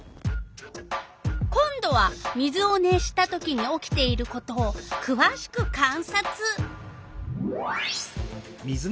今度は水を熱したときに起きていることをくわしく観察。